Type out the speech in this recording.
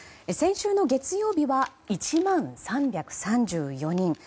先週の月曜日は１万３３４人。